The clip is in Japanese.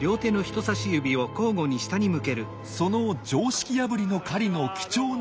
その常識破りの狩りの貴重な目撃者がこの方。